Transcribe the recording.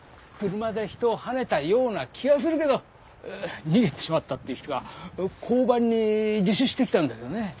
車で人をはねたような気がするけど逃げてしまったって人が交番に自首してきたんだけどね。